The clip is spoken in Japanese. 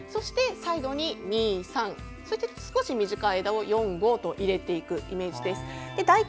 サイドに入れて少し短い枝を４、５と入れていくイメージです。